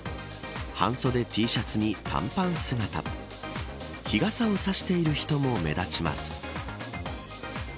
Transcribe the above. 半袖Ｔシャツに短パン姿日傘を差している人も目立ちます。